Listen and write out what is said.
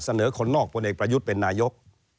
เสนอคนนอกพลเอกประยุทธ์เป็นนายก